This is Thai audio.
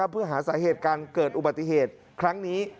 เพื่อหาสาเหตุการเกิดอุบัติเหตุครั้งนี้